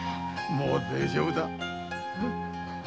もう大丈夫だ。